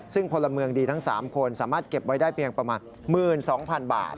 ซึ่งพลเมืองดีทั้ง๓คนสามารถเก็บไว้ได้เพียงประมาณ๑๒๐๐๐บาท